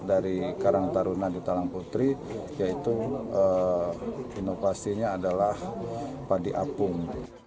sekarang tarunan di talang putri yaitu inovasinya adalah padi apung